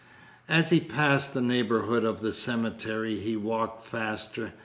As he passed the neighbourhood of the cemetery; he walked faster.